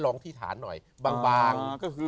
ลองที่ฐานหน่อยบาง